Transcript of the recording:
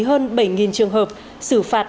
hơn bảy trường hợp xử phạt